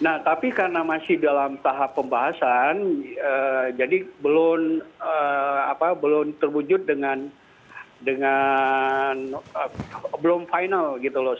nah tapi karena masih dalam tahap pembahasan jadi belum terwujud dengan belum final gitu loh